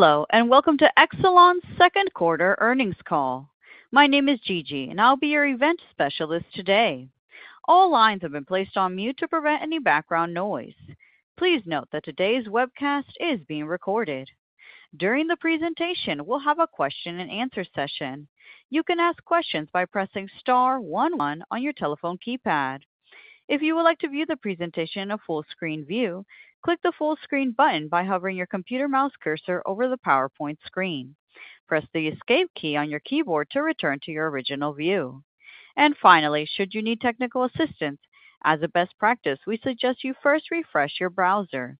Hello, welcome to Exelon's second quarter earnings call. My name is Gigi, and I'll be your event specialist today. All lines have been placed on mute to prevent any background noise. Please note that today's webcast is being recorded. During the presentation, we'll have a question and answer session. You can ask questions by pressing star one one on your telephone keypad. If you would like to view the presentation in a full screen view, click the full screen button by hovering your computer mouse cursor over the PowerPoint screen. Press the escape key on your keyboard to return to your original view. Finally, should you need technical assistance, as a best practice, we suggest you first refresh your browser.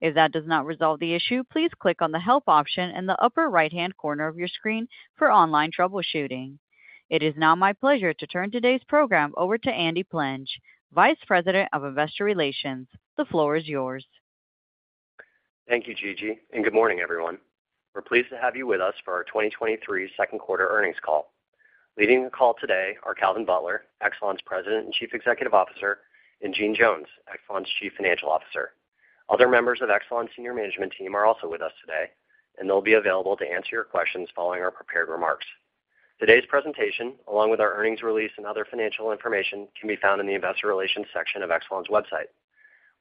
If that does not resolve the issue, please click on the help option in the upper right-hand corner of your screen for online troubleshooting. It is now my pleasure to turn today's program over to Andrew Plenge, Vice President of Investor Relations. The floor is yours. Thank you, Gigi. Good morning, everyone. We're pleased to have you with us for our 2023 second quarter earnings call. Leading the call today are Calvin Butler, Exelon's President and Chief Executive Officer, and Jeanne Jones, Exelon's Chief Financial Officer. Other members of Exelon's Senior Management team are also with us today. They'll be available to answer your questions following our prepared remarks. Today's presentation, along with our earnings release and other financial information, can be found in the investor relations section of Exelon's website.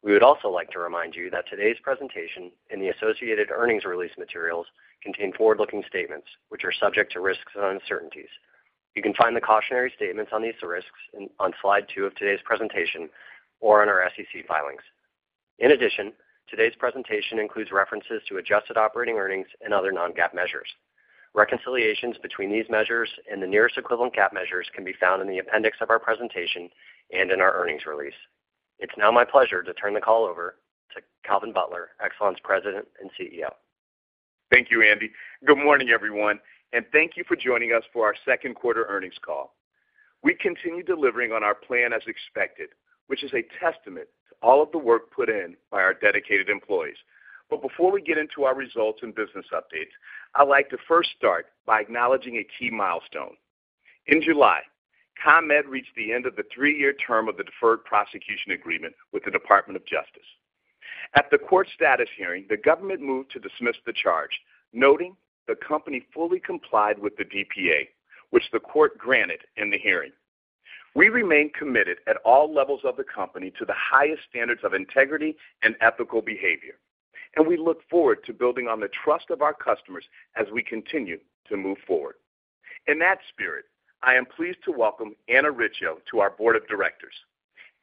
We would also like to remind you that today's presentation and the associated earnings release materials contain forward-looking statements, which are subject to risks and uncertainties. You can find the cautionary statements on these risks on slide 2 of today's presentation or in our SEC filings. In addition, today's presentation includes references to adjusted operating earnings and other non-GAAP measures. Reconciliations between these measures and the nearest equivalent GAAP measures can be found in the appendix of our presentation and in our earnings release. It's now my pleasure to turn the call over to Calvin Butler, Exelon's President and CEO. Thank you, Andy. Good morning, everyone, and thank you for joining us for our second quarter earnings call. We continue delivering on our plan as expected, which is a testament to all of the work put in by our dedicated employees. Before we get into our results and business updates, I'd like to first start by acknowledging a key milestone. In July, ComEd reached the end of the three-year term of the deferred prosecution agreement with the Department of Justice. At the court status hearing, the government moved to dismiss the charge, noting the company fully complied with the DPA, which the court granted in the hearing. We remain committed at all levels of the company to the highest standards of integrity and ethical behavior, we look forward to building on the trust of our customers as we continue to move forward. In that spirit, I am pleased to welcome Anna Richo to our Board of Directors.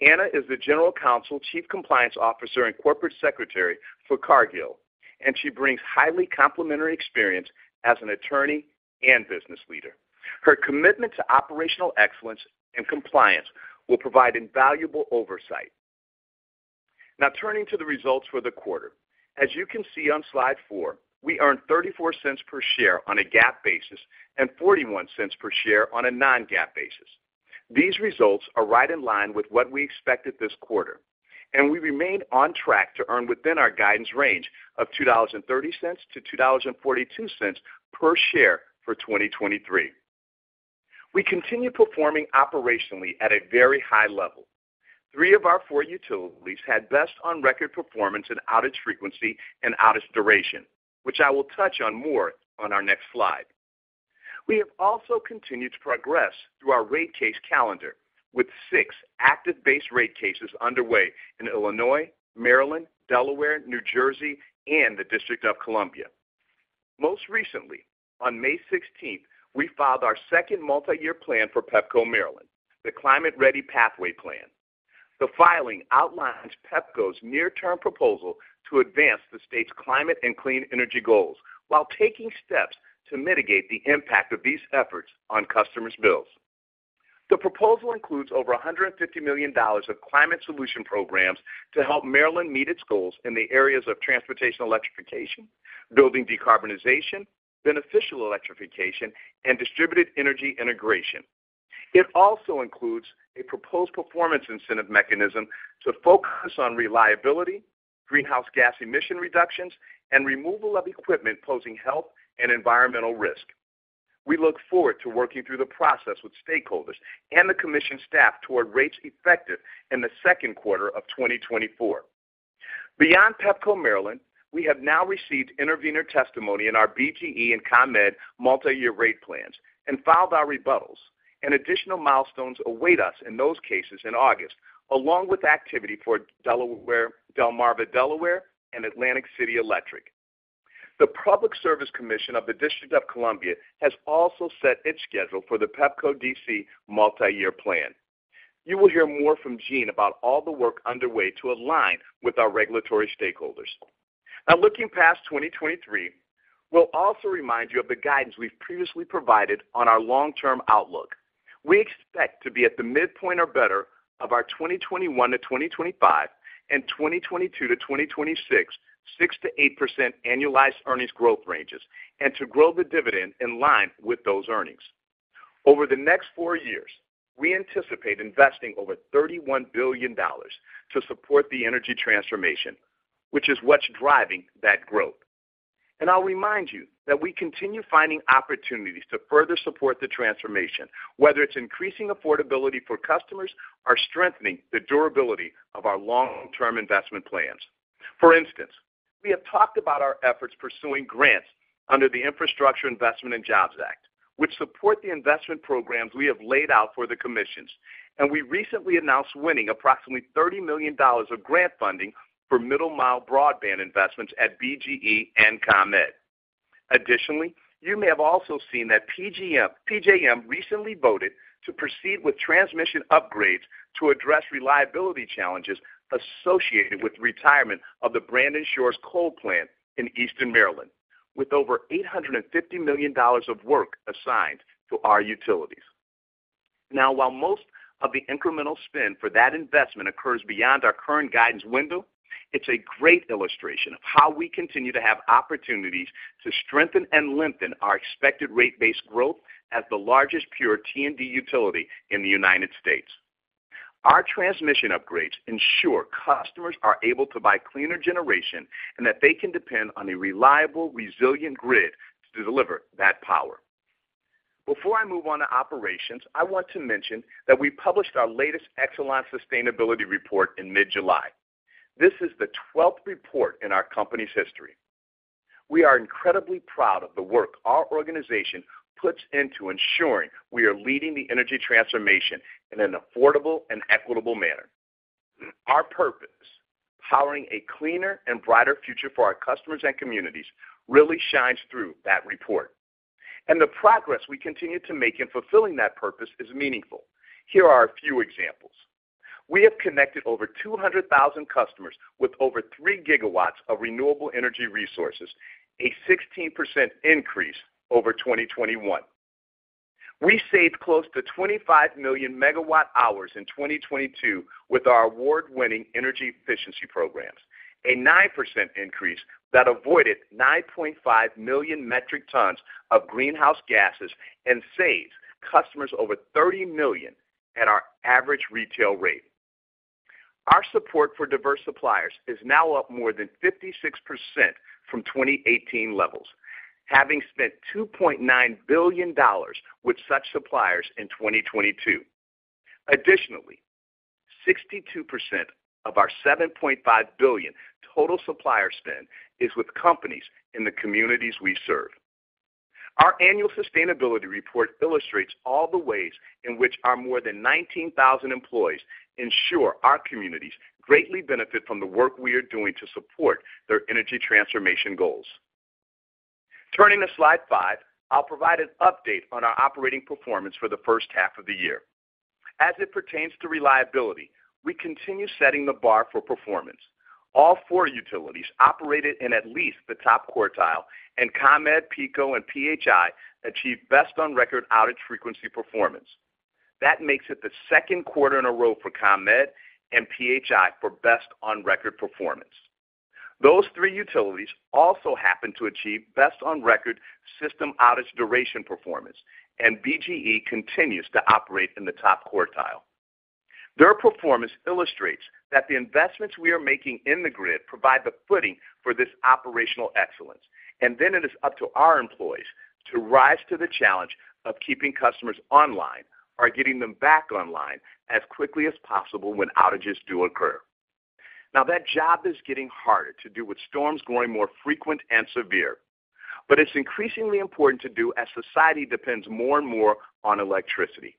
Anna is the General Counsel, Chief Compliance Officer, and Corporate Secretary for Cargill, and she brings highly complementary experience as an attorney and business leader. Her commitment to operational excellence and compliance will provide invaluable oversight. Now, turning to the results for the quarter. As you can see on slide 4, we earned $0.34 per share on a GAAP basis and $0.41 per share on a non-GAAP basis. These results are right in line with what we expected this quarter, and we remain on track to earn within our guidance range of $2.30-$2.42 per share for 2023. We continue performing operationally at a very high level. Three of our four utilities had best-on-record performance in outage frequency and outage duration, which I will touch on more on our next slide. We have also continued to progress through our rate case calendar with six active base rate cases underway in Illinois, Maryland, Delaware, New Jersey, and the District of Columbia. Most recently, on May 16th, we filed our second multi-year plan for Pepco Maryland, the Climate Ready Pathway plan. The filing outlines Pepco's near-term proposal to advance the state's climate and clean energy goals while taking steps to mitigate the impact of these efforts on customers' bills. The proposal includes over $150 million of climate solution programs to help Maryland meet its goals in the areas of transportation electrification, building decarbonization, beneficial electrification, and distributed energy integration. It also includes a proposed performance incentive mechanism to focus on reliability, greenhouse gas emission reductions, and removal of equipment posing health and environmental risk. We look forward to working through the process with stakeholders and the commission staff toward rates effective in the 2nd quarter of 2024. Beyond Pepco Maryland, we have now received intervener testimony in our BGE and ComEd multi-year rate plans and filed our rebuttals. Additional milestones await us in those cases in August, along with activity for Delaware, Delmarva Delaware, and Atlantic City Electric. The Public Service Commission of the District of Columbia has also set its schedule for the Pepco D.C. multi-year plan. You will hear more from Jeanne about all the work underway to align with our regulatory stakeholders. Looking past 2023, we'll also remind you of the guidance we've previously provided on our long-term outlook. We expect to be at the midpoint or better of our 2021-2025 and 2022-2026, 6%-8% annualized earnings growth ranges, and to grow the dividend in line with those earnings. Over the next four years, we anticipate investing over $31 billion to support the energy transformation, which is what's driving that growth. I'll remind you that we continue finding opportunities to further support the transformation, whether it's increasing affordability for customers or strengthening the durability of our long-term investment plans....For instance, we have talked about our efforts pursuing grants under the Infrastructure Investment and Jobs Act, which support the investment programs we have laid out for the commissions, and we recently announced winning approximately $30 million of grant funding for middle-mile broadband investments at BGE and ComEd. You may have also seen that PJM recently voted to proceed with transmission upgrades to address reliability challenges associated with the retirement of the Brandon Shores Coal Plant in Eastern Maryland, with over $850 million of work assigned to our utilities. While most of the incremental spend for that investment occurs beyond our current guidance window, it's a great illustration of how we continue to have opportunities to strengthen and lengthen our expected rate-based growth as the largest pure T&D utility in the United States. Our transmission upgrades ensure customers are able to buy cleaner generation and that they can depend on a reliable, resilient grid to deliver that power. Before I move on to operations, I want to mention that we published our latest Exelon Sustainability Report in mid-July. This is the 12th report in our company's history. We are incredibly proud of the work our organization puts into ensuring we are leading the energy transformation in an affordable and equitable manner. Our purpose, powering a cleaner and brighter future for our customers and communities, really shines through that report, and the progress we continue to make in fulfilling that purpose is meaningful. Here are a few examples: We have connected over 200,000 customers with over 3 GW of renewable energy resources, a 16% increase over 2021. We saved close to 25 million MWh in 2022 with our award-winning energy efficiency programs, a 9% increase that avoided 9.5 million metric tons of greenhouse gases and saved customers over $30 million at our average retail rate. Our support for diverse suppliers is now up more than 56% from 2018 levels, having spent $2.9 billion with such suppliers in 2022. Additionally, 62% of our $7.5 billion total supplier spend is with companies in the communities we serve. Our annual sustainability report illustrates all the ways in which our more than 19,000 employees ensure our communities greatly benefit from the work we are doing to support their energy transformation goals. Turning to slide 5, I'll provide an update on our operating performance for the first half of the year. As it pertains to reliability, we continue setting the bar for performance. All 4 utilities operated in at least the top quartile, and ComEd, PECO, and PHI achieved best on record outage frequency performance. That makes it the second quarter in a row for ComEd and PHI for best on-record performance. Those three utilities also happened to achieve best on-record system outage duration, performance. BGE continues to operate in the top quartile. Their performance illustrates that the investments we are making in the grid provide the footing for this operational excellence. It is up to our employees to rise to the challenge of keeping customers online or getting them back online as quickly as possible when outages do occur. That job is getting harder to do with storms growing more frequent and severe. It's increasingly important to do as society depends more and more on electricity.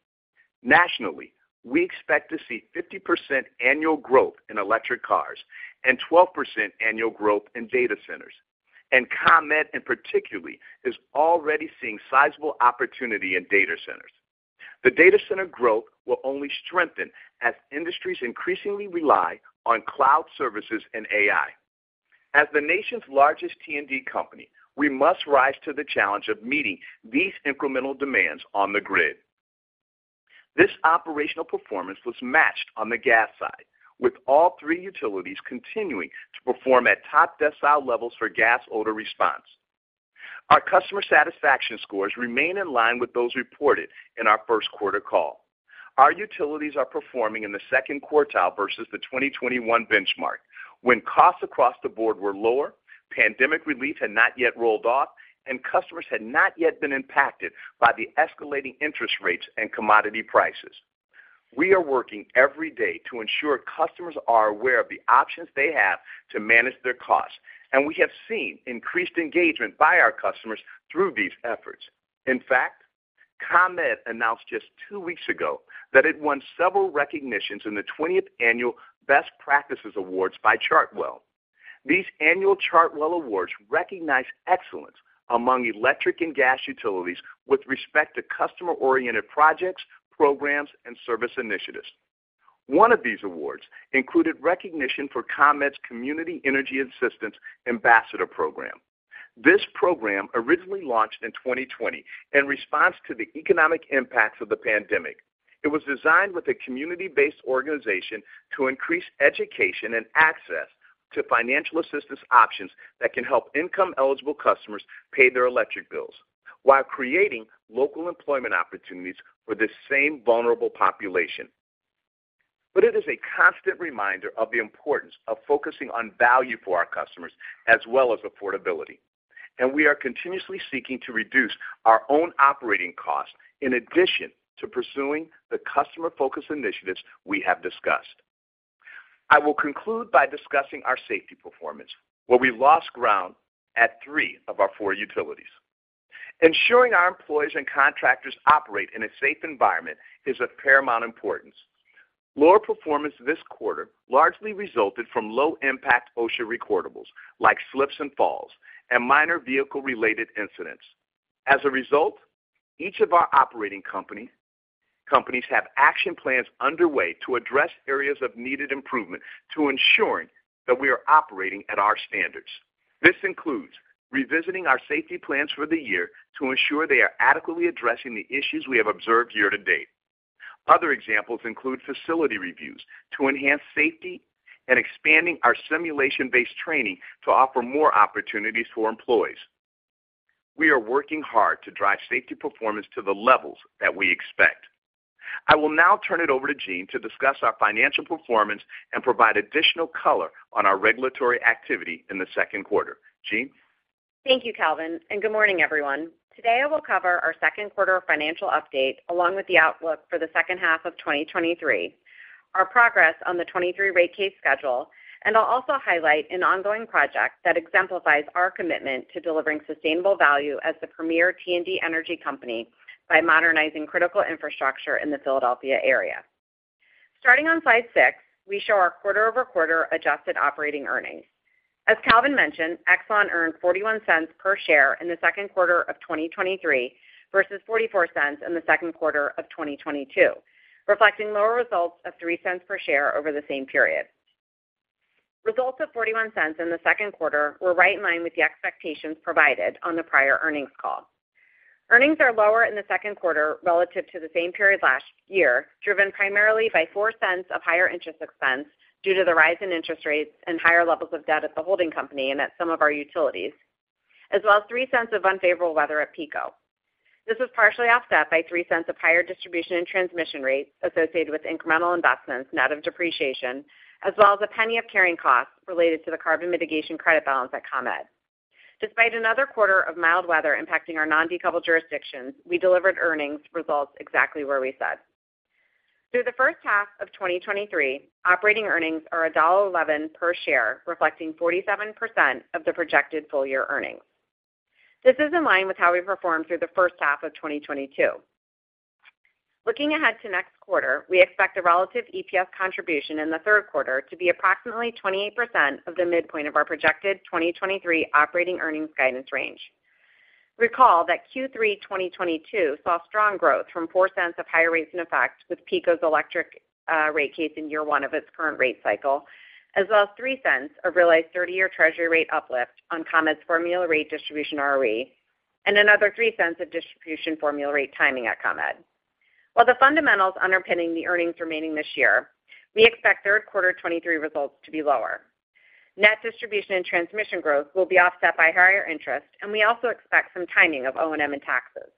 Nationally, we expect to see 50% annual growth in electric cars and 12% annual growth in data centers. ComEd, in particular, is already seeing sizable opportunity in data centers. The data center growth will only strengthen as industries increasingly rely on cloud services and AI. As the nation's largest T&D company, we must rise to the challenge of meeting these incremental demands on the grid. This operational performance was matched on the gas side, with all three utilities continuing to perform at top decile levels for gas odor response. Our customer satisfaction scores remain in line with those reported in our first quarter call. Our utilities are performing in the second quartile versus the 2021 benchmark, when costs across the board were lower, pandemic relief had not yet rolled off, and customers had not yet been impacted by the escalating interest rates and commodity prices. We are working every day to ensure customers are aware of the options they have to manage their costs, and we have seen increased engagement by our customers through these efforts. In fact, ComEd announced just 2 weeks ago that it won several recognitions in the 20th Annual Best Practices Awards by Chartwell. These annual Chartwell awards recognize excellence among electric and gas utilities with respect to customer-oriented projects, programs, and service initiatives. One of these awards included recognition for ComEd's Community Energy Assistance Ambassador program. This program originally launched in 2020 in response to the economic impacts of the pandemic. It was designed with a community-based organization to increase education and access to financial assistance options that can help income-eligible customers pay their electric bills while creating local employment opportunities for the same vulnerable population. It is a constant reminder of the importance of focusing on value for our customers as well as affordability. We are continuously seeking to reduce our own operating costs in addition to pursuing the customer-focused initiatives we have discussed. I will conclude by discussing our safety performance, where we lost ground at 3 of our 4 utilities. Ensuring our employees and contractors operate in a safe environment is of paramount importance. Lower performance this quarter largely resulted from low-impact OSHA recordables, like slips and falls, and minor vehicle-related incidents. As a result, each of our operating companies have action plans underway to address areas of needed improvement to ensuring that we are operating at our standards. This includes revisiting our safety plans for the year to ensure they are adequately addressing the issues we have observed year-to-date. Other examples include facility reviews to enhance safety and expanding our simulation-based training to offer more opportunities for employees. We are working hard to drive safety performance to the levels that we expect. I will now turn it over to Jeanne to discuss our financial performance and provide additional color on our regulatory activity in the second quarter. Jeanne? Thank you, Calvin. Good morning, everyone. Today, I will cover our second quarter financial update, along with the outlook for the second half of 2023, our progress on the 2023 rate case schedule, and I'll also highlight an ongoing project that exemplifies our commitment to delivering sustainable value as the premier T&D energy company by modernizing critical infrastructure in the Philadelphia area. Starting on slide 6, we show our quarter-over-quarter adjusted operating earnings. As Calvin mentioned, Exelon earned $0.41 per share in the second quarter of 2023 versus $0.44 in the second quarter of 2022, reflecting lower results of $0.03 per share over the same period. Results of $0.41 in the second quarter were right in line with the expectations provided on the prior earnings call. Earnings are lower in the second quarter relative to the same period last year, driven primarily by $0.04 of higher interest expense due to the rise in interest rates and higher levels of debt at the holding company and at some of our utilities, as well as $0.03 of unfavorable weather at PECO. This was partially offset by $0.03 of higher distribution and transmission rates associated with incremental investments net of depreciation, as well as $0.01 of carrying costs related to the Carbon Mitigation Credit balance at ComEd. Despite another quarter of mild weather impacting our non-decoupled jurisdictions, we delivered earnings results exactly where we said. Through the first half of 2023, operating earnings are $1.11 per share, reflecting 47% of the projected full-year earnings. This is in line with how we performed through the first half of 2022. Looking ahead to next quarter, we expect a relative EPS contribution in the third quarter to be approximately 28% of the midpoint of our projected 2023 operating earnings guidance range. Recall that Q3 2022 saw strong growth from $0.04 of higher rates in effect, with PECO's electric rate case in year one of its current rate cycle, as well as $0.03 of realized 30-year treasury rate uplift on ComEd's formula rate distribution ROE, and another $0.03 of distribution formula rate timing at ComEd. While the fundamentals underpinning the earnings remaining this year, we expect third quarter 2023 results to be lower. Net distribution and transmission growth will be offset by higher interest, and we also expect some timing of O&M and taxes.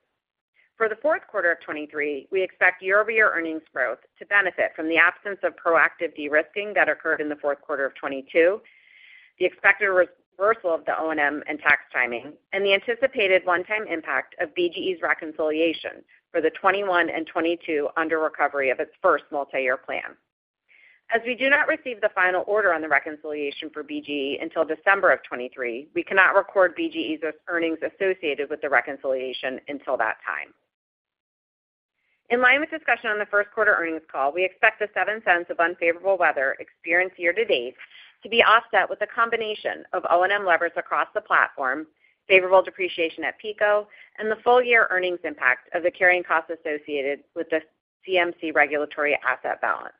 For the fourth quarter of 2023, we expect year-over-year earnings growth to benefit from the absence of proactive de-risking that occurred in the fourth quarter of 2022, the expected reversal of the O&M and tax timing, and the anticipated one-time impact of BGE's reconciliation for the 2021 and 2022 under recovery of its first multi-year plan. As we do not receive the final order on the reconciliation for BGE until December of 2023, we cannot record BGE's earnings associated with the reconciliation until that time. In line with discussion on the first quarter earnings call, we expect the $0.07 of unfavorable weather experienced year-to-date to be offset with a combination of O&M levers across the platform, favorable depreciation at PECO, and the full-year earnings impact of the carrying costs associated with the CMC regulatory asset balance.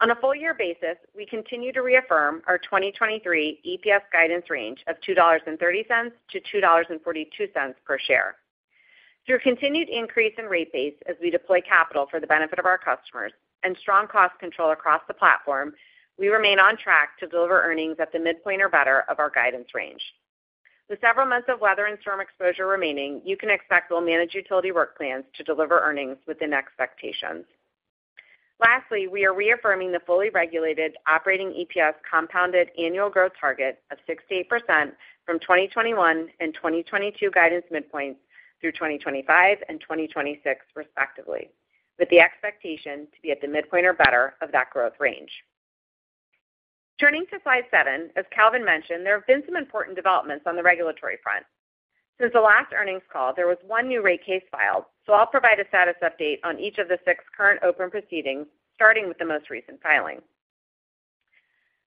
On a full year basis, we continue to reaffirm our 2023 EPS guidance range of $2.30-$2.42 per share. Through continued increase in rate base as we deploy capital for the benefit of our customers and strong cost control across the platform, we remain on track to deliver earnings at the midpoint or better of our guidance range. With several months of weather and storm exposure remaining, you can expect we'll manage utility work plans to deliver earnings within expectations. Lastly, we are reaffirming the fully regulated operating EPS compounded annual growth target of 68% from 2021 and 2022 guidance midpoints through 2025 and 2026, respectively, with the expectation to be at the midpoint or better of that growth range. Turning to slide 7, as Calvin mentioned, there have been some important developments on the regulatory front. Since the last earnings call, there was 1 new rate case filed, so I'll provide a status update on each of the 6 current open proceedings, starting with the most recent filing.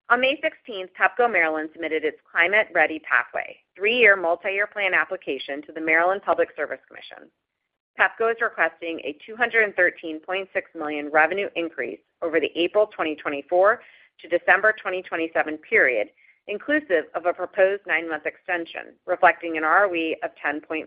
On May 16th, Pepco Maryland submitted its Climate Ready Pathway, 3-year multi-year plan application to the Maryland Public Service Commission. Pepco is requesting a $213.6 million revenue increase over the April 2024 to December 2027 period, inclusive of a proposed 9-month extension, reflecting an ROE of 10.5%.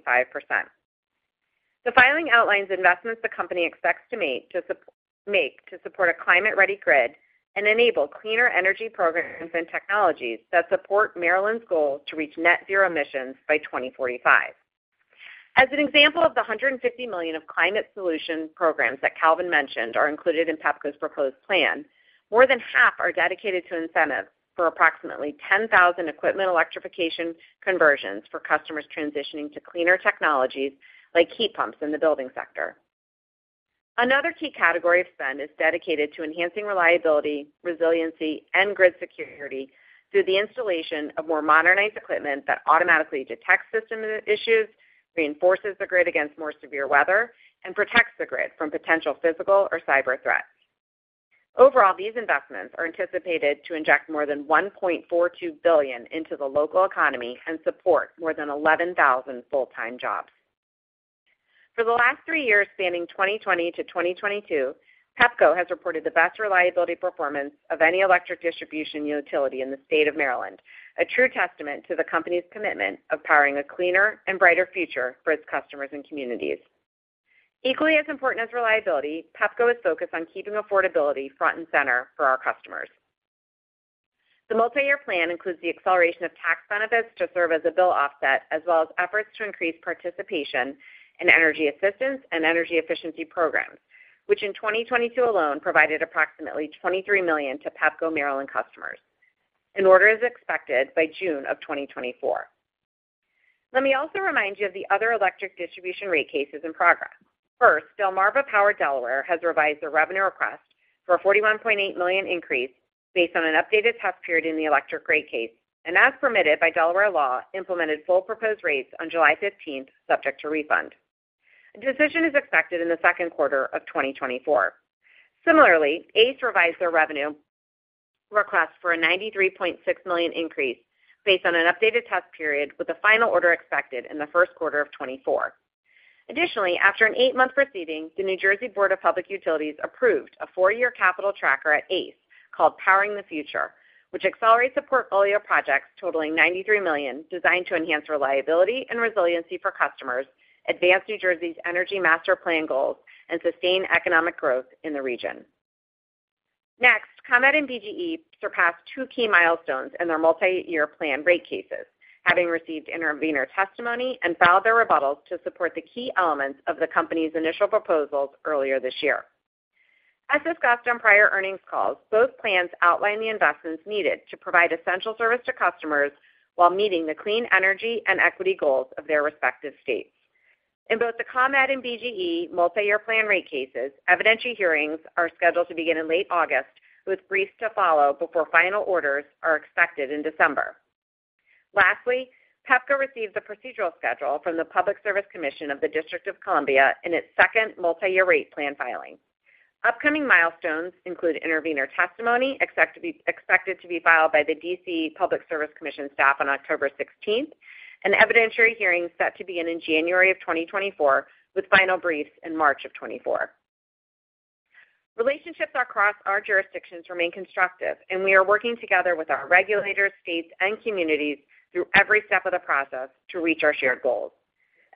The filing outlines investments the company expects to make to support a climate-ready grid and enable cleaner energy programs and technologies that support Maryland's goal to reach net zero emissions by 2045. As an example of the $150 million of climate solution programs that Calvin mentioned are included in Pepco's proposed plan, more than half are dedicated to incentives for approximately 10,000 equipment electrification conversions for customers transitioning to cleaner technologies like heat pumps in the building sector. Another key category of spend is dedicated to enhancing reliability, resiliency, and grid security through the installation of more modernized equipment that automatically detects system issues, reinforces the grid against more severe weather, and protects the grid from potential physical or cyber threats. Overall, these investments are anticipated to inject more than $1.42 billion into the local economy and support more than 11,000 full-time jobs. For the last three years, spanning 2020 to 2022, Pepco has reported the best reliability performance of any electric distribution utility in the state of Maryland, a true testament to the company's commitment of powering a cleaner and brighter future for its customers and communities. Equally as important as reliability, Pepco is focused on keeping affordability front and center for our customers. The multi-year plan includes the acceleration of tax benefits to serve as a bill offset, as well as efforts to increase participation in energy assistance and energy efficiency programs, which in 2022 alone, provided approximately $23 million to Pepco Maryland customers. An order is expected by June of 2024. Let me also remind you of the other electric distribution rate cases in progress. First, Delmarva Power Delaware has revised their revenue request for a $41.8 million increase based on an updated test period in the electric rate case, and as permitted by Delaware law, implemented full proposed rates on July 15th, subject to refund. A decision is expected in the second quarter of 2024. Similarly, ACE revised their revenue request for a $93.6 million increase based on an updated test period, with a final order expected in the first quarter of 2024. Additionally, after an 8-month proceeding, the New Jersey Board of Public Utilities approved a 4-year capital tracker at ACE, called Powering the Future, which accelerates a portfolio of projects totaling $93 million, designed to enhance reliability and resiliency for customers, advance New Jersey's energy master plan goals, and sustain economic growth in the region. Next, ComEd and BGE surpassed 2 key milestones in their multi-year plan rate cases, having received intervener testimony and filed their rebuttals to support the key elements of the company's initial proposals earlier this year. As discussed on prior earnings calls, both plans outline the investments needed to provide essential service to customers while meeting the clean energy and equity goals of their respective states. In both the ComEd and BGE multi-year plan rate cases, evidentiary hearings are scheduled to begin in late August, with briefs to follow before final orders are expected in December. Lastly, Pepco received the procedural schedule from the Public Service Commission of the District of Columbia in its 2nd multi-year rate plan filing. Upcoming milestones include intervener testimony, expected to be filed by the Public Service Commission of the District of Columbia staff on October 16th, and evidentiary hearings set to begin in January of 2024, with final briefs in March of 2024. Relationships across our jurisdictions remain constructive. We are working together with our regulators, states, and communities through every step of the process to reach our shared goals.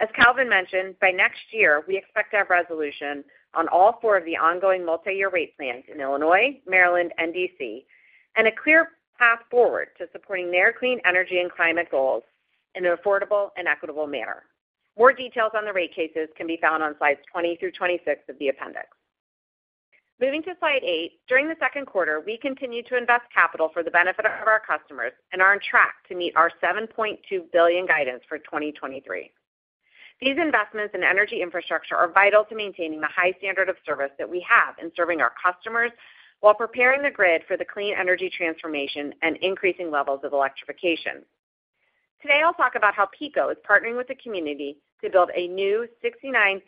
As Calvin mentioned, by next year, we expect to have resolution on all four of the ongoing multi-year rate plans in Illinois, Maryland, and D.C., and a clear path forward to supporting their clean energy and climate goals in an affordable and equitable manner. More details on the rate cases can be found on slides 20-26 of the appendix. Moving to slide 8, during the second quarter, we continued to invest capital for the benefit of our customers and are on track to meet our $7.2 billion guidance for 2023. These investments in energy infrastructure are vital to maintaining the high standard of service that we have in serving our customers, while preparing the grid for the clean energy transformation and increasing levels of electrification. Today, I'll talk about how PECO is partnering with the community to build a new 69/13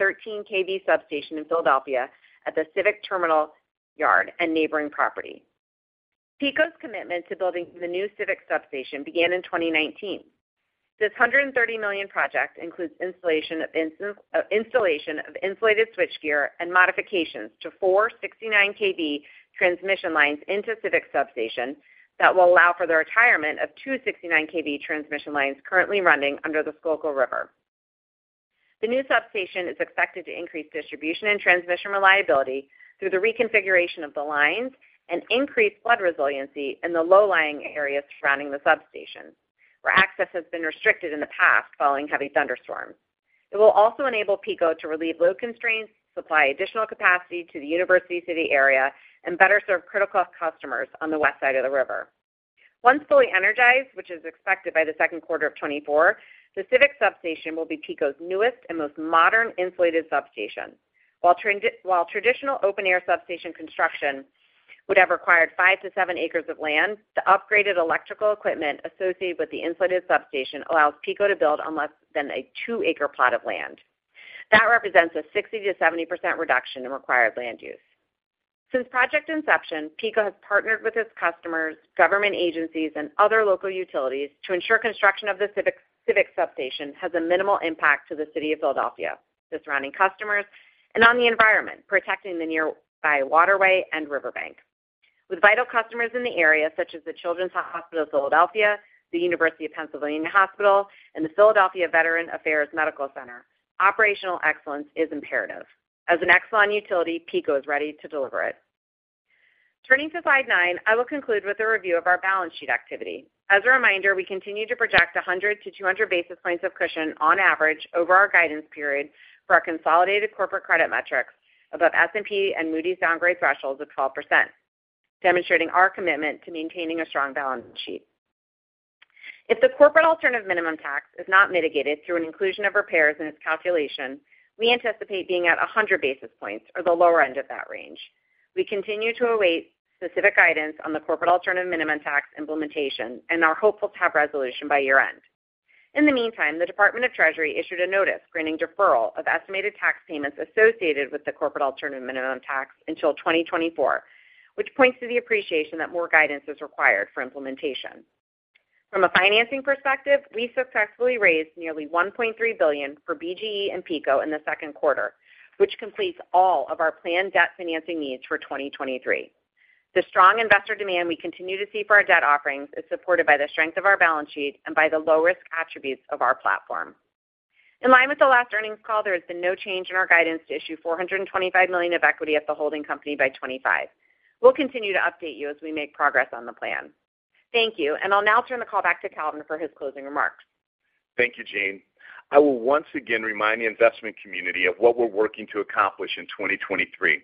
KV substation in Philadelphia at the Civic Terminal Yard and neighboring property. PECO's commitment to building the new Civic Substation began in 2019. This $130 million project includes installation of insulated switchgear and modifications to 4 69 KV transmission lines into Civic Substation that will allow for the retirement of 2 69 KV transmission lines currently running under the Schuylkill River. The new substation is expected to increase distribution and transmission reliability through the reconfiguration of the lines and increase flood resiliency in the low-lying areas surrounding the substation, where access has been restricted in the past following heavy thunderstorms. It will also enable PECO to relieve load constraints, supply additional capacity to the University City area, and better serve critical customers on the west side of the river. Once fully energized, which is expected by the second quarter of 2024, the Civic Substation will be PECO's newest and most modern insulated substation. While traditional open-air substation construction would have required 5 to 7 acres of land, the upgraded electrical equipment associated with the insulated substation allows PECO to build on less than a 2-acre plot of land. That represents a 60% to 70% reduction in required land use. Since project inception, PECO has partnered with its customers, government agencies, and other local utilities to ensure construction of the Civic Substation has a minimal impact to the city of Philadelphia, the surrounding customers, and on the environment, protecting the nearby waterway and riverbank. With vital customers in the area, such as the Children's Hospital of Philadelphia, the University of Pennsylvania Hospital, and the Philadelphia Veterans Affairs Medical Center, operational excellence is imperative. As an excellent utility, PECO is ready to deliver it. Turning to slide nine, I will conclude with a review of our balance sheet activity. As a reminder, we continue to project 100-200 basis points of cushion on average over our guidance period for our consolidated corporate credit metrics above S&P and Moody's downgrade thresholds of 12%, demonstrating our commitment to maintaining a strong balance sheet. If the Corporate Alternative Minimum Tax is not mitigated through an inclusion of repairs in its calculation, we anticipate being at 100 basis points or the lower end of that range. We continue to await specific guidance on the Corporate Alternative Minimum Tax implementation and are hopeful to have resolution by year-end. In the meantime, the U.S. Department of the Treasury issued a notice granting deferral of estimated tax payments associated with the Corporate Alternative Minimum Tax until 2024, which points to the appreciation that more guidance is required for implementation. From a financing perspective, we successfully raised nearly $1.3 billion for BGE and PECO in the second quarter, which completes all of our planned debt financing needs for 2023. The strong investor demand we continue to see for our debt offerings is supported by the strength of our balance sheet and by the low-risk attributes of our platform. In line with the last earnings call, there has been no change in our guidance to issue $425 million of equity at the holding company by 2025. We'll continue to update you as we make progress on the plan. Thank you, and I'll now turn the call back to Calvin for his closing remarks. Thank you, Jeanne. I will once again remind the investment community of what we're working to accomplish in 2023.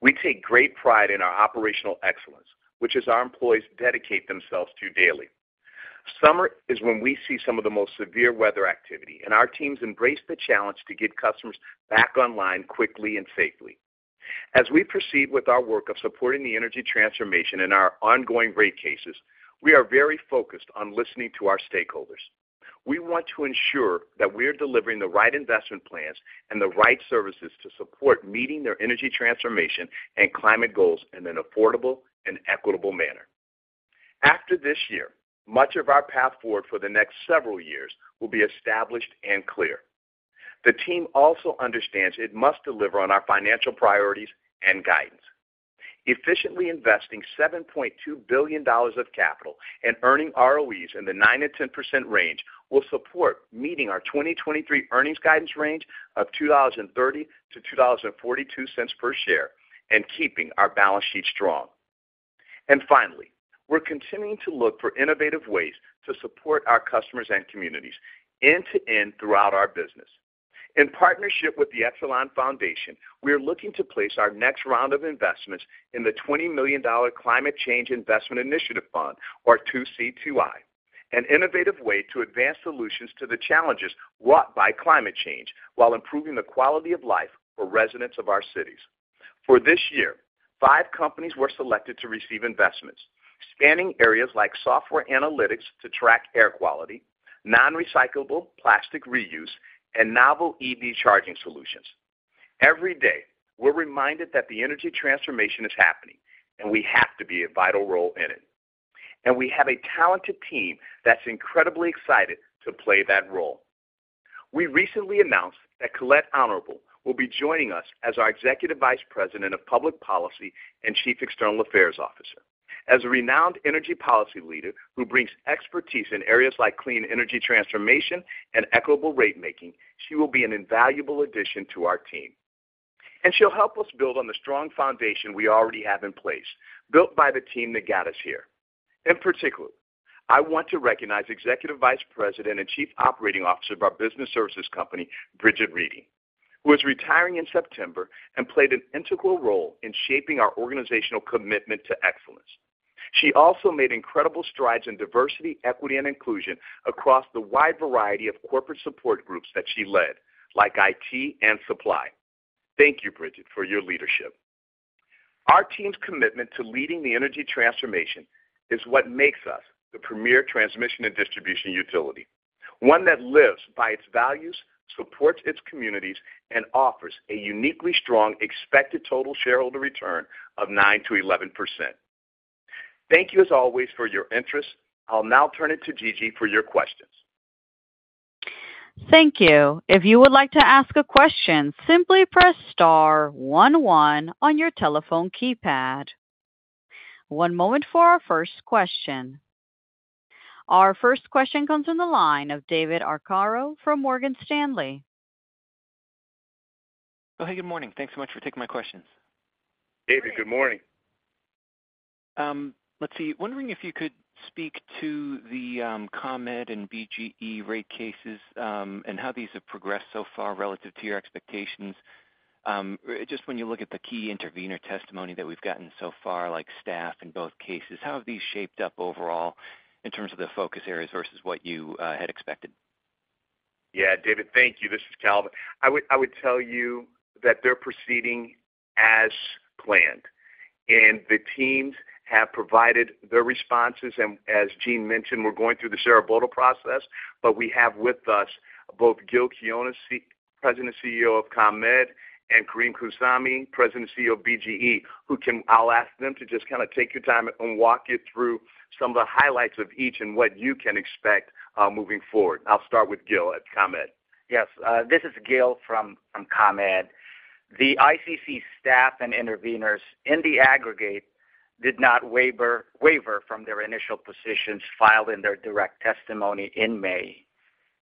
We take great pride in our operational excellence, which is our employees dedicate themselves to daily. Summer is when we see some of the most severe weather activity, and our teams embrace the challenge to get customers back online quickly and safely. As we proceed with our work of supporting the energy transformation and our ongoing rate cases, we are very focused on listening to our stakeholders. We want to ensure that we are delivering the right investment plans and the right services to support meeting their energy transformation and climate goals in an affordable and equitable manner. After this year, much of our path forward for the next several years will be established and clear. The team also understands it must deliver on our financial priorities and guidance. Efficiently investing $7.2 billion of capital and earning ROEs in the 9%-10% range will support meeting our 2023 earnings guidance range of $2.30-$2.42 per share and keeping our balance sheet strong. Finally, we're continuing to look for innovative ways to support our customers and communities end-to-end throughout our business. In partnership with the Exelon Foundation, we are looking to place our next round of investments in the $20 million Climate Change Investment Initiative fund, or 2c2i, an innovative way to advance solutions to the challenges wrought by climate change while improving the quality of life for residents of our cities. For this year, five companies were selected to receive investments, spanning areas like software analytics to track air quality, non-recyclable plastic reuse, and novel EV charging solutions. Every day, we're reminded that the energy transformation is happening, and we have to be a vital role in it. We have a talented team that's incredibly excited to play that role. We recently announced that Colette Honorable will be joining us as our Executive Vice President of Public Policy and Chief External Affairs Officer. As a renowned energy policy leader who brings expertise in areas like clean energy transformation and equitable rate making, she will be an invaluable addition to our team. She'll help us build on the strong foundation we already have in place, built by the team that got us here. In particular, I want to recognize Executive Vice President and Chief Operating Officer of our business services company, Bridget Reidy, who is retiring in September and played an integral role in shaping our organizational commitment to excellence. She also made incredible strides in diversity, equity, and inclusion across the wide variety of corporate support groups that she led, like IT and Supply. Thank you, Bridget, for your leadership. Our team's commitment to leading the energy transformation is what makes us the premier transmission and distribution utility, one that lives by its values, supports its communities, and offers a uniquely strong expected total shareholder return of 9%-11%. Thank you, as always, for your interest. I'll now turn it to Gigi for your questions. Thank you. If you would like to ask a question, simply press star one one on your telephone keypad. One moment for our first question. Our first question comes in the line of David Arcaro from Morgan Stanley. Oh, hey, good morning. Thanks so much for taking my questions. David, good morning. Let's see. Wondering if you could speak to the ComEd and BGE rate cases, and how these have progressed so far relative to your expectations. Just when you look at the key intervener testimony that we've gotten so far, like staff in both cases, how have these shaped up overall in terms of the focus areas versus what you had expected? Yeah, David, thank you. This is Calvin. I would, I would tell you that they're proceeding as planned, and the teams have provided their responses, and as Jeanne mentioned, we're going through the surrebuttal process, but we have with us both Gil Quiniones, President and CEO of ComEd, and Carim Khouzami, President and CEO of BGE, who can-- I'll ask them to just kind of take your time and walk you through some of the highlights of each and what you can expect, moving forward. I'll start with Gil at ComEd. Yes, this is Gil from ComEd. The ICC staff and interveners in the aggregate did not waver from their initial positions filed in their direct testimony in May.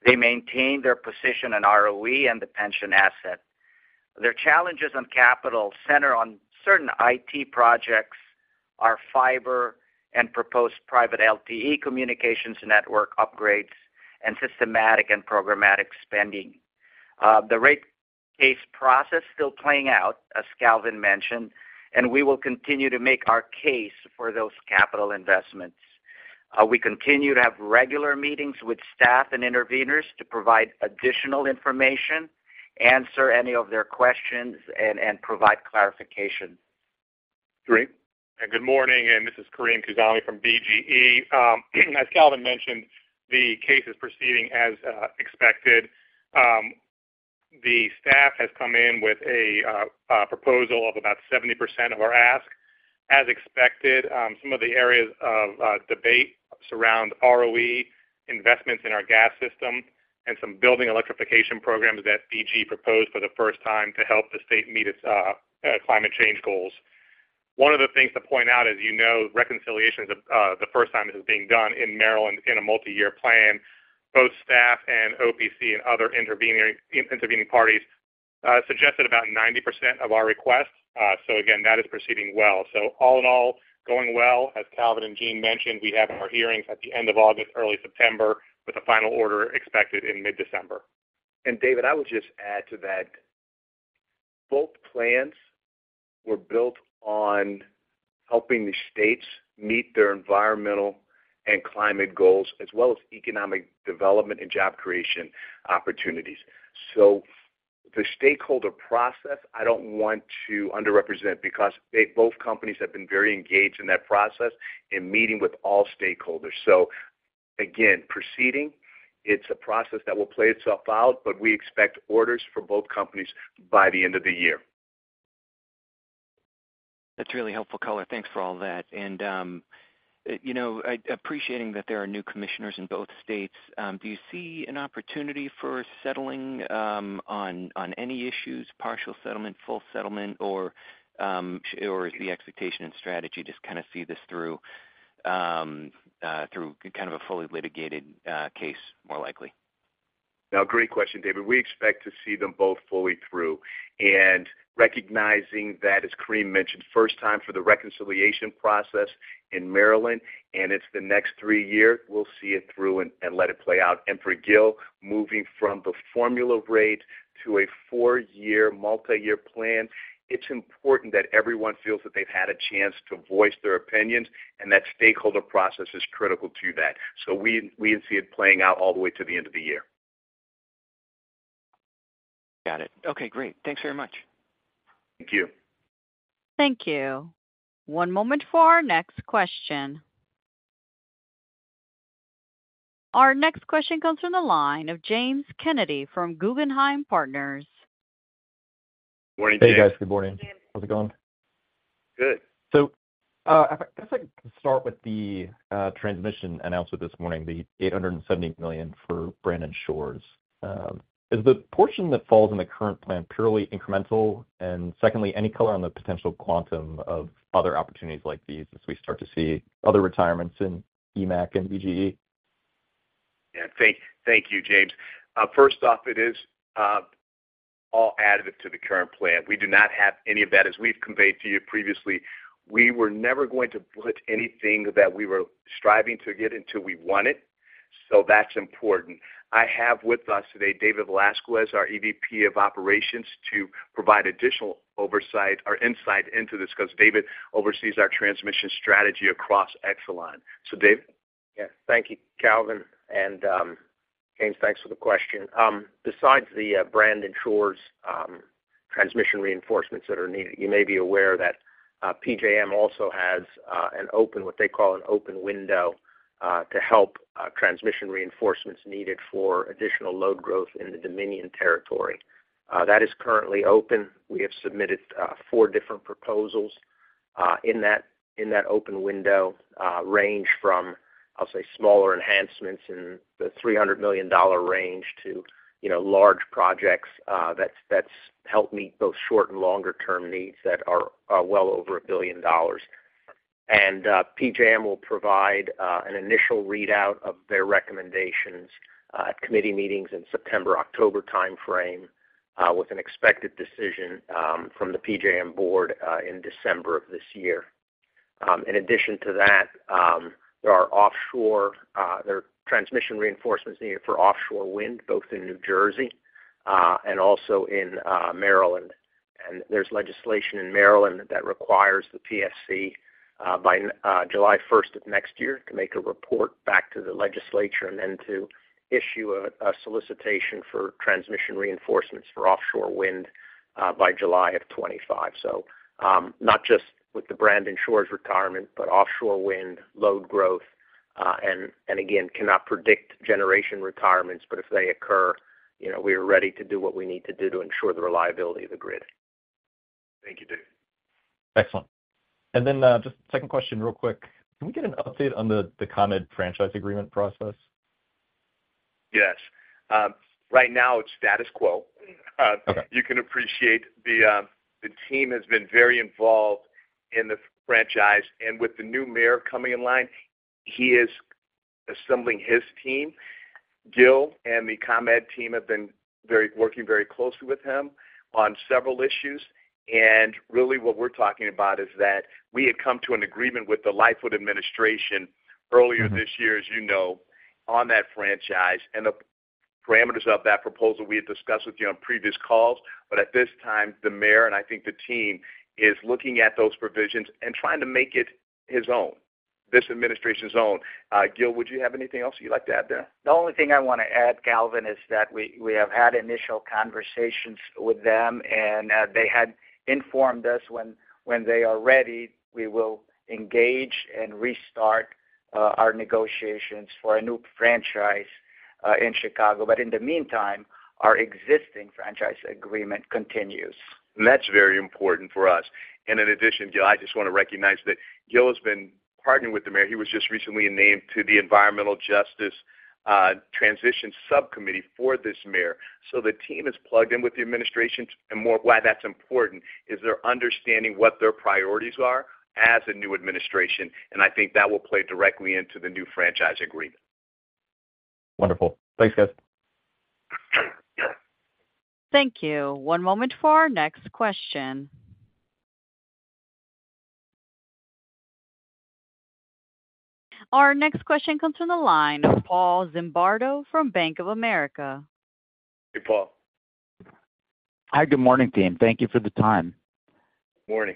They maintained their position in ROE and the pension asset. Their challenges on capital center on certain IT projects, our fiber, and proposed private LTE communications network upgrades, and systematic and programmatic spending. The rate case process still playing out, as Calvin mentioned, and we will continue to make our case for those capital investments. We continue to have regular meetings with staff and interveners to provide additional information, answer any of their questions, and, and provide clarification. Great. Good morning, this is Carim Khouzami from BGE. As Calvin mentioned, the case is proceeding as expected. The staff has come in with a proposal of about 70% of our ask. As expected, some of the areas of debate surround ROE investments in our gas system and some building electrification programs that BGE proposed for the first time to help the state meet its climate change goals. One of the things to point out, as you know, reconciliation is the first time this is being done in Maryland in a multi-year plan. Both staff and OPC and other intervening parties suggested about 90% of our requests. Again, that is proceeding well. All in all, going well. As Calvin and Jeanne mentioned, we have our hearings at the end of August, early September, with a final order expected in mid-December. David, I would just add to that. Both plans were built on helping the states meet their environmental and climate goals, as well as economic development and job creation opportunities. The stakeholder process, I don't want to underrepresent, because both companies have been very engaged in that process in meeting with all stakeholders. Again, proceeding, it's a process that will play itself out, but we expect orders for both companies by the end of the year. That's really helpful color. Thanks for all that. You know, appreciating that there are new commissioners in both states, do you see an opportunity for settling on, on any issues, partial settlement, full settlement, or is the expectation and strategy just kind of see this through through kind of a fully litigated case, more likely? Great question, David. We expect to see them both fully through, recognizing that, as Carim mentioned, first time for the reconciliation process in Maryland, and it's the next 3-year, we'll see it through and, and let it play out. For Gil, moving from the formula rate to a 4-year multiyear plan, it's important that everyone feels that they've had a chance to voice their opinions, and that stakeholder process is critical to that. We, we see it playing out all the way to the end of the year. Got it. Okay, great. Thanks very much. Thank you. Thank you. One moment for our next question. Our next question comes from the line of James Kennedy from Guggenheim Partners. Morning, James. Hey, guys. Good morning. How's it going? Good. if I-- let's start with the transmission announcement this morning, the $870 million for Brandon Shores. Is the portion that falls in the current plan purely incremental? Secondly, any color on the potential quantum of other opportunities like these as we start to see other retirements in EMAAC and BGE? Yeah, thank, thank you, James. First off, it is all additive to the current plan. We do not have any of that. As we've conveyed to you previously, we were never going to put anything that we were striving to get until we won it. That's important. I have with us today, David Velazquez, our EVP of operations, to provide additional oversight or insight into this, because David oversees our transmission strategy across Exelon. David? Yeah. Thank you, Calvin, and James, thanks for the question. Besides the Brandon Shores transmission reinforcements that are needed, you may be aware that PJM also has an open, what they call an open window, to help transmission reinforcements needed for additional load growth in the Dominion territory. That is currently open. We have submitted four different proposals in that, in that open window, range from, I'll say, smaller enhancements in the $300 million range to, you know, large projects that, that's helped meet both short and longer-term needs that are well over $1 billion. PJM will provide an initial readout of their recommendations at committee meetings in September-October timeframe, with an expected decision from the PJM board in December of this year. In addition to that, there are offshore, there are transmission reinforcements needed for offshore wind, both in New Jersey and also in Maryland. There's legislation in Maryland that requires the PSC by July 1st of 2025 to make a report back to the legislature and then to issue a solicitation for transmission reinforcements for offshore wind by July of 2025. Not just with the Brandon Shores retirement, but offshore wind, load growth, cannot predict generation retirements, but if they occur, you know, we are ready to do what we need to do to ensure the reliability of the grid. Thank you, Dave. Excellent. Then, just second question, real quick: Can we get an update on the, the ComEd franchise agreement process? Yes. Right now, it's status quo. You can appreciate the team has been very involved in the franchise, and with the new mayor coming in line, he is assembling his team. Gil and the ComEd team have been very working very closely with him on several issues. Really what we're talking about is that we had come to an agreement with the Lightfoot administration earlier this year, as you know, on that franchise, and the parameters of that proposal we had discussed with you on previous calls. At this time, the mayor, and I think the team, is looking at those provisions and trying to make it his own, this administration's own. Gil, would you have anything else you'd like to add there? The only thing I want to add, Calvin, is that we, we have had initial conversations with them. They had informed us when, when they are ready, we will engage and restart our negotiations for a new franchise in Chicago. In the meantime, our existing franchise agreement continues. That's very important for us. In addition, Gil, I just want to recognize that Gil has been partnering with the mayor. He was just recently named to the Environmental Justice Transition Subcommittee for this mayor. The team is plugged in with the administration. More why that's important is they're understanding what their priorities are as a new administration, and I think that will play directly into the new franchise agreement. Wonderful. Thanks, guys. Thank you. One moment for our next question. Our next question comes from the line of Paul Zimbardo from Bank of America. Hey, Paul. Hi, good morning, team. Thank you for the time. Morning.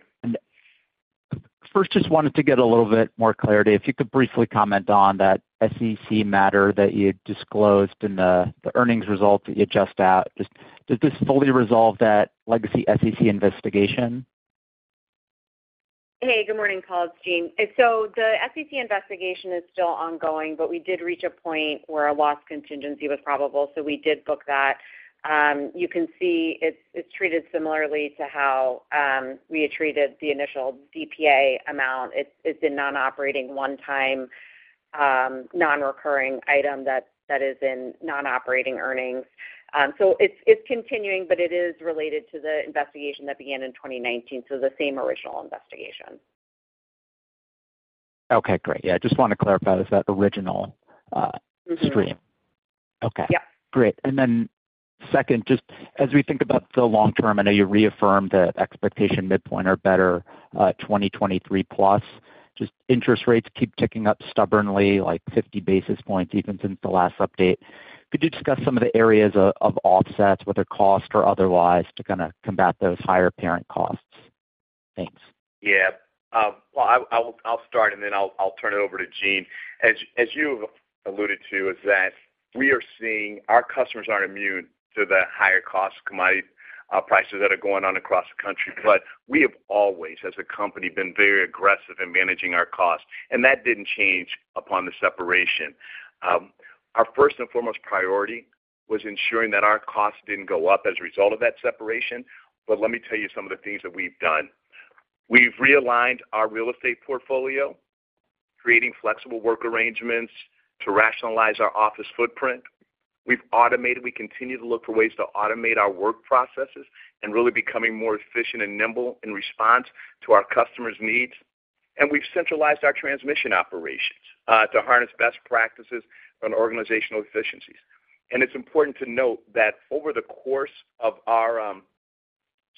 First, just wanted to get a little bit more clarity. If you could briefly comment on that SEC matter that you had disclosed in the earnings results that you just out. Just, does this fully resolve that legacy SEC investigation? Hey, good morning, Paul, it's Jeanne. The SEC investigation is still ongoing, but we did reach a point where a loss contingency was probable, so we did book that. You can see it's, it's treated similarly to how we had treated the initial DPA amount. It's, it's a non-operating, one-time, non-recurring item that, that is in non-operating earnings. It's, it's continuing, but it is related to the investigation that began in 2019, so the same original investigation. Okay, great. Yeah, I just want to clarify, is that original stream? Mm-hmm. Okay. Yeah. Great. Then second, just as we think about the long term, I know you reaffirmed that expectation midpoint or better, 2023 plus, just interest rates keep ticking up stubbornly, like 50 basis points, even since the last update. Could you discuss some of the areas of, of offsets, whether cost or otherwise, to kind of combat those higher parent costs? Thanks. Yeah. Well, I, I'll, I'll start, and then I'll, I'll turn it over to Jeanne. As you, as you've alluded to, is that we are seeing our customers aren't immune to the higher cost commodity prices that are going on across the country. We have always, as a company, been very aggressive in managing our costs, and that didn't change upon the separation. Our first and foremost priority was ensuring that our costs didn't go up as a result of that separation. Let me tell you some of the things that we've done. We've realigned our real estate portfolio, creating flexible work arrangements to rationalize our office footprint. We've automated. We continue to look for ways to automate our work processes and really becoming more efficient and nimble in response to our customers' needs. We've centralized our transmission operations to harness best practices on organizational efficiencies. It's important to note that over the course of our,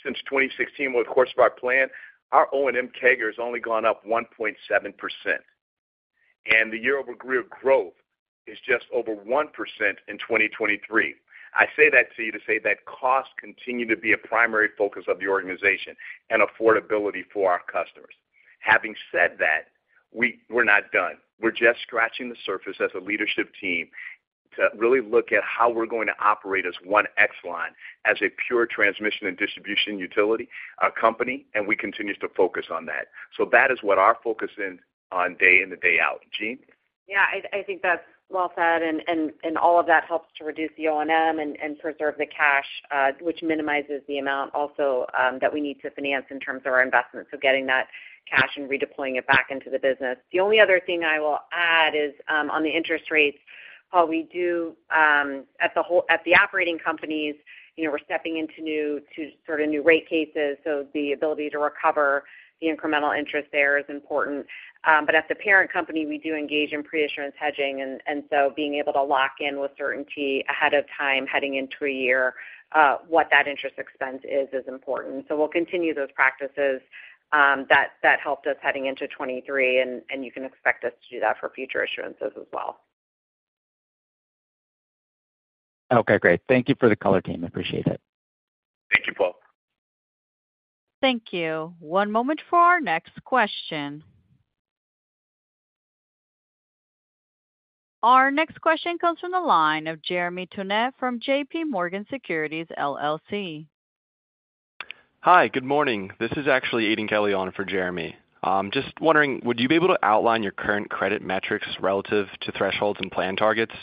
since 2016, over the course of our plan, our O&M CAGR has only gone up 1.7%, and the year-over-year growth is just over 1% in 2023. I say that to you to say that costs continue to be a primary focus of the organization and affordability for our customers. Having said that, we're not done. We're just scratching the surface as a leadership team to really look at how we're going to operate as One Exelon, as a pure transmission and distribution utility company, and we continue to focus on that. That is what our focus is on day in and day out. Jeanne? Yeah, I, I think that's well said, all of that helps to reduce the O&M and preserve the cash, which minimizes the amount also that we need to finance in terms of our investment. Getting that cash and redeploying it back into the business. The only other thing I will add is, on the interest rates, how we do at the operating companies, you know, we're stepping into new, to sort of new rate cases, the ability to recover the incremental interest there is important. At the parent company, we do engage in pre-issuance hedging, being able to lock in with certainty ahead of time, heading into a year, what that interest expense is, is important. We'll continue those practices, that helped us heading into 2023, and you can expect us to do that for future issuances as well. Okay, great. Thank you for the color, team. Appreciate it. Thank you, Paul. Thank you. One moment for our next question. Our next question comes from the line of Jeremy Tonet from JPMorgan Securities LLC. Hi, good morning. This is actually Aidan Kelly on for Jeremy. Just wondering, would you be able to outline your current credit metrics relative to thresholds and plan targets?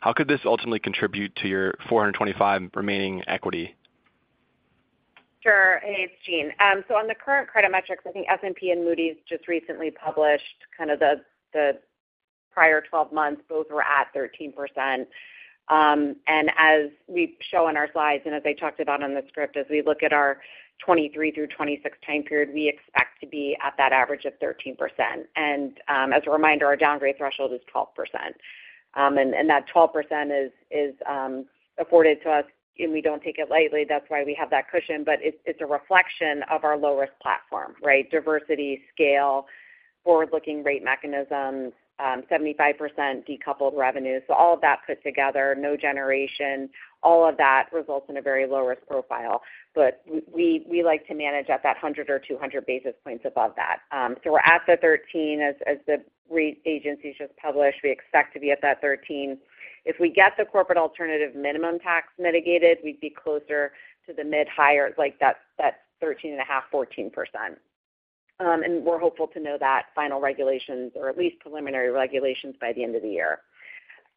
How could this ultimately contribute to your $425 remaining equity? Sure. Hey, it's Jeanne. On the current credit metrics, I think S&P and Moody's just recently published kind of the, the prior 12 months, both were at 13%. As we show on our slides, and as I talked about on the script, as we look at our 2023 through 2026 time period, we expect to be at that average of 13%. As a reminder, our downgrade threshold is 12%. That 12% is, is afforded to us, and we don't take it lightly. That's why we have that cushion, but it's, it's a reflection of our low-risk platform, right? Diversity, scale, forward-looking rate mechanisms, 75% decoupled revenues. All of that put together, no generation, all of that results in a very low-risk profile. We, we, we like to manage at that 100 or 200 basis points above that. We're at the 13 as agencies just published. We expect to be at that 13. If we get the Corporate Alternative Minimum Tax mitigated, we'd be closer to the mid higher, like that, that 13.5%-14%. We're hopeful to know that final regulations or at least preliminary regulations by the end of the year.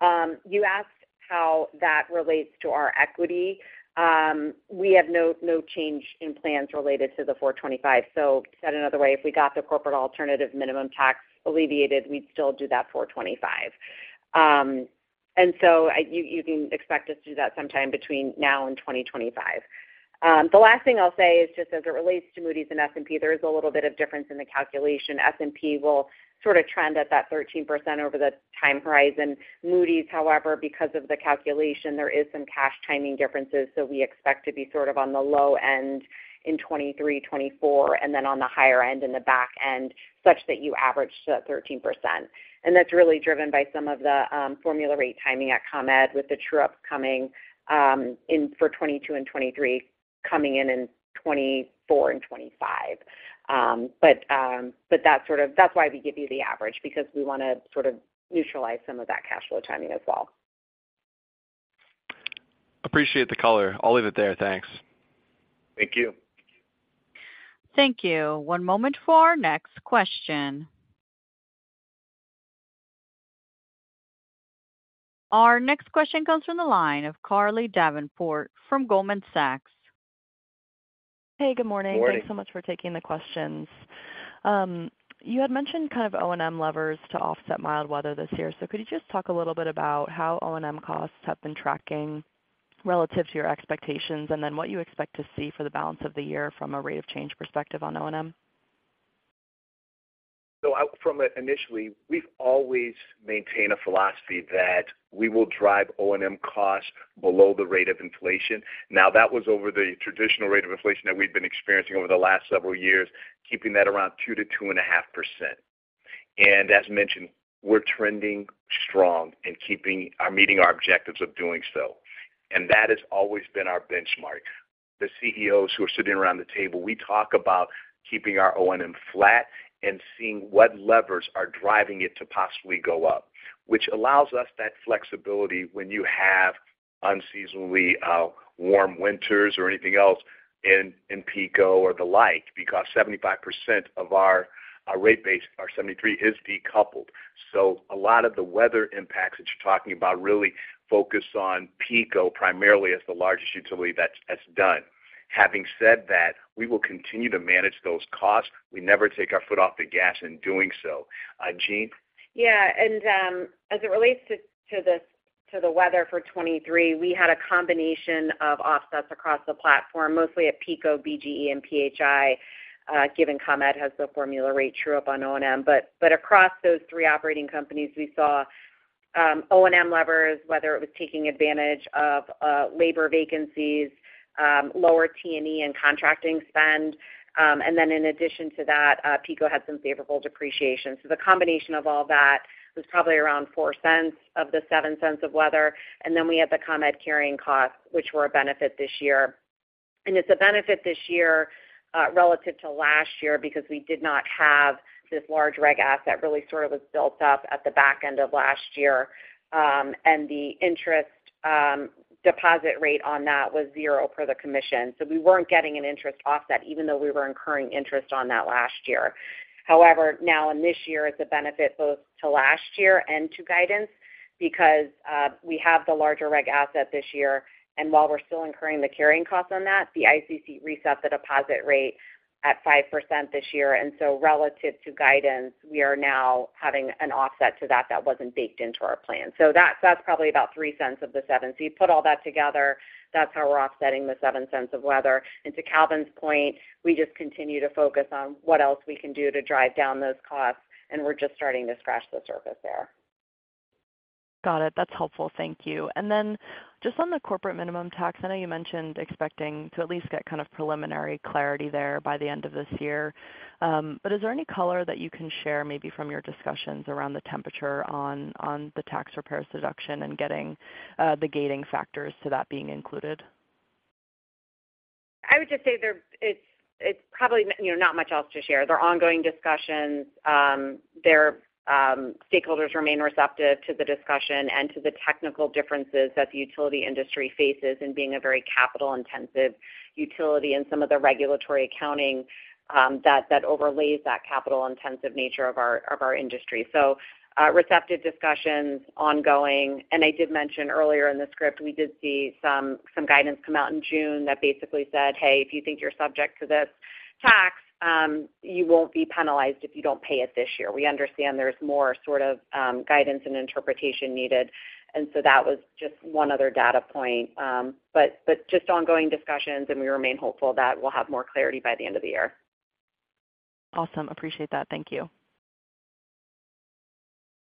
You asked how that relates to our equity. We have no, no change in plans related to the 425. Said another way, if we got the Corporate Alternative Minimum Tax alleviated, we'd still do that 425. You, you can expect us to do that sometime between now and 2025. The last thing I'll say is just as it relates to Moody's and S&P, there is a little bit of difference in the calculation. S&P will sort of trend at that 13% over the time horizon. Moody's, however, because of the calculation, there is some cash timing differences, so we expect to be sort of on the low end in 2023, 2024, and then on the higher end in the back end, such that you average to that 13%. That's really driven by some of the formula rate timing at ComEd with the true-ups coming in for 2022 and 2023, coming in in 2024 and 2025. That's sort of-- that's why we give you the average, because we wanna sort of neutralize some of that cash flow timing as well. Appreciate the color. I'll leave it there. Thanks. Thank you. Thank you. One moment for our next question. Our next question comes from the line of Carly Davenport from Goldman Sachs. Hey, good morning. Good morning. Thanks so much for taking the questions. You had mentioned kind of O&M levers to offset mild weather this year. Could you just talk a little bit about how O&M costs have been tracking relative to your expectations, and then what you expect to see for the balance of the year from a rate of change perspective on O&M? From it initially, we've always maintained a philosophy that we will drive O&M costs below the rate of inflation. That was over the traditional rate of inflation that we've been experiencing over the last several years, keeping that around 2% to 2.5%. As mentioned, we're trending strong and keeping or meeting our objectives of doing so. That has always been our benchmark. The CEOs who are sitting around the table, we talk about keeping our O&M flat and seeing what levers are driving it to possibly go up, which allows us that flexibility when you have unseasonably warm winters or anything else in PECO or the like, because 75% of our rate base, or 73, is decoupled. A lot of the weather impacts that you're talking about really focus on PECO, primarily, as the largest utility that's done. Having said that, we will continue to manage those costs. We never take our foot off the gas in doing so. Jeanne? Yeah, as it relates to the weather for 2023, we had a combination of offsets across the platform, mostly at PECO, BGE, and PHI, given ComEd has the formula rate true-up on O&M. Across those three operating companies, we saw O&M levers, whether it was taking advantage of labor vacancies, lower T&E and contracting spend. In addition to that, PECO had some favorable depreciation. The combination of all that was probably around $0.04 of the $0.07 of weather, and then we had the ComEd carrying costs, which were a benefit this year. It's a benefit this year, relative to last year because we did not have this large reg asset that really sort of was built up at the back end of last year. The interest, deposit rate on that was 0 per the Commission. We weren't getting an interest offset, even though we were incurring interest on that last year. Now in this year, it's a benefit both to last year and to guidance because we have the larger reg asset this year, and while we're still incurring the carrying costs on that, the ICC reset the deposit rate at 5% this year. Relative to guidance, we are now having an offset to that that wasn't baked into our plan. That's, that's probably about $0.03 of the $0.07. You put all that together, that's how we're offsetting the $0.07 of weather. To Calvin's point, we just continue to focus on what else we can do to drive down those costs, and we're just starting to scratch the surface there. Got it. That's helpful. Thank you. Then just on the Corporate Minimum Tax, I know you mentioned expecting to at least get kind of preliminary clarity there by the end of this year. Is there any color that you can share maybe from your discussions around the temperature on, on the tax repairs deduction and getting the gating factors to that being included? I would just say there, it's, it's probably, you know, not much else to share. There are ongoing discussions. Their stakeholders remain receptive to the discussion and to the technical differences that the utility industry faces in being a very capital-intensive utility and some of the regulatory accounting that overlays that capital-intensive nature of our, of our industry. Receptive discussions ongoing. I did mention earlier in the script, we did see some, some guidance come out in June that basically said, "Hey, if you think you're subject to this tax, you won't be penalized if you don't pay it this year. We understand there's more sort of guidance and interpretation needed." That was just one other data point. Just ongoing discussions, and we remain hopeful that we'll have more clarity by the end of the year. Awesome. Appreciate that. Thank you.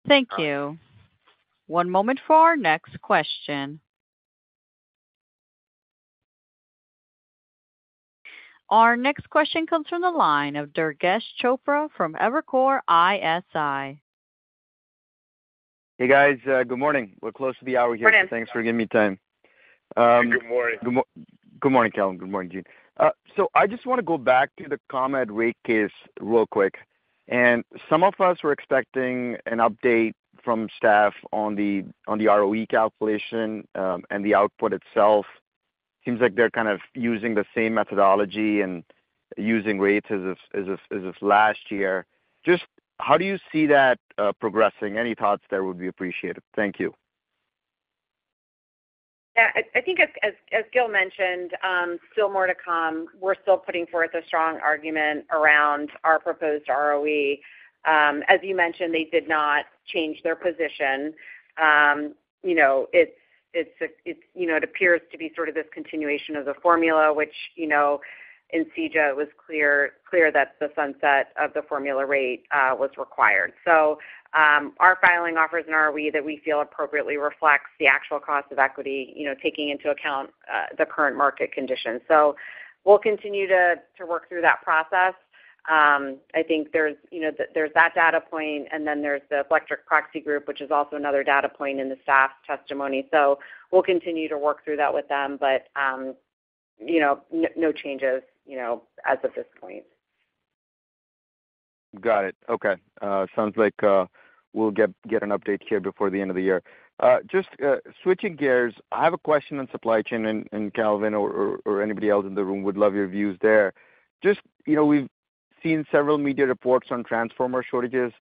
Thank you. One moment for our next question. Our next question comes from the line of Durgesh Chopra from Evercore ISI. Hey, guys. good morning. We're close to the hour here. Morning. Thanks for giving me time. Good morning. Good morning, Calvin. Good morning, Jeanne. I just want to go back to the ComEd rate case real quick. Some of us were expecting an update from staff on the, on the ROE calculation, and the output itself. Seems like they're kind of using the same methodology and using rates as of, as of, as of last year. Just how do you see that progressing? Any thoughts there would be appreciated. Thank you. Yeah, I, I think as, as, as Gil mentioned, still more to come. We're still putting forth a strong argument around our proposed ROE. As you mentioned, they did not change their position. You know, it's, it's, it's, you know, it appears to be sort of this continuation of the formula, which, you know, in CEJA was clear, clear that the sunset of the formula rate was required. Our filing offers an ROE that we feel appropriately reflects the actual cost of equity, you know, taking into account the current market conditions. We'll continue to, to work through that process. I think there's, you know, there's that data point, and then there's the electric proxy group, which is also another data point in the staff's testimony. We'll continue to work through that with them, but, you know, no changes, you know, as of this point. Got it. Okay. Sounds like we'll get, get an update here before the end of the year. Just switching gears, I have a question on supply chain, and Calvin or anybody else in the room would love your views there. Just, you know, we've seen several media reports on transformer shortages.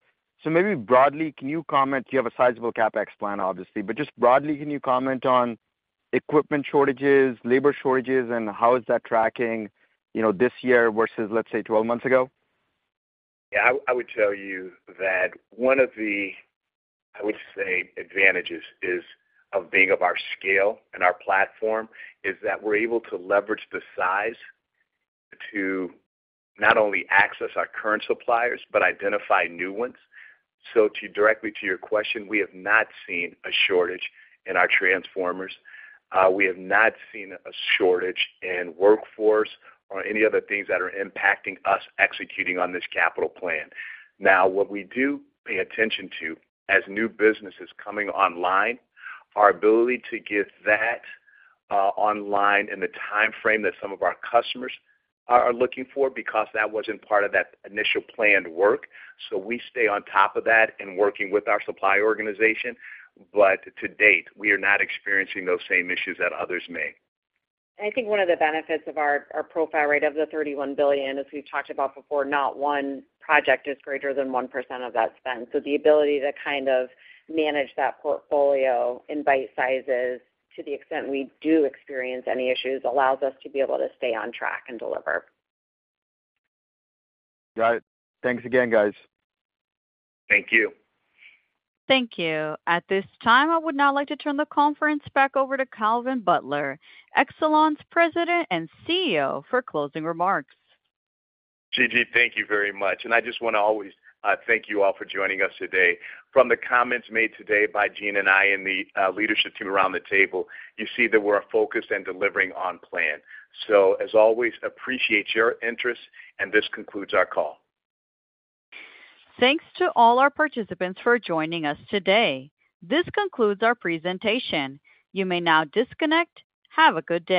Maybe broadly, can you comment, you have a sizable CapEx plan, obviously, but just broadly, can you comment on equipment shortages, labor shortages, and how is that tracking, you know, this year versus, let's say, 12 months ago? Yeah. I, I would tell you that one of the, I would say, advantages is of being of our scale and our platform, is that we're able to leverage the size to not only access our current suppliers but identify new ones. to, directly to your question, we have not seen a shortage in our transformers. We have not seen a shortage in workforce or any other things that are impacting us executing on this capital plan. Now, what we do pay attention to, as new business is coming online, our ability to get that, online in the timeframe that some of our customers are looking for, because that wasn't part of that initial planned work. but to date, we are not experiencing those same issues that others may. I think one of the benefits of our, our profile, right, of the $31 billion, as we've talked about before, not one project is greater than 1% of that spend. The ability to kind of manage that portfolio in bite sizes, to the extent we do experience any issues, allows us to be able to stay on track and deliver. Got it. Thanks again, guys. Thank you. Thank you. At this time, I would now like to turn the conference back over to Calvin Butler, Exelon's President and CEO, for closing remarks. Gigi, thank you very much, and I just want to always thank you all for joining us today. From the comments made today by Jeanne and I and the leadership team around the table, you see that we're focused and delivering on plan. As always, appreciate your interest, and this concludes our call. Thanks to all our participants for joining us today. This concludes our presentation. You may now disconnect. Have a good day.